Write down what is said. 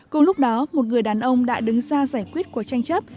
cùng lúc đó một người đàn ông đã đứng ra giải quyết cuộc tranh chấp